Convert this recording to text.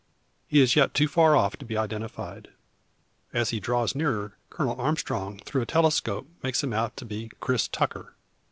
He is yet too far off to be identified. As he draws nearer, Colonel Armstrong through a telescope makes him out to be Cris Tucker.